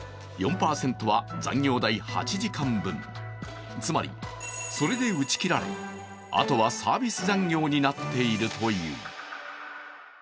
４％は残業代８時間分、つまり、それで打ち切られあとはサービス残業になっているという。